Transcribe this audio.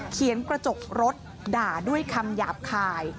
กระจกรถด่าด้วยคำหยาบคาย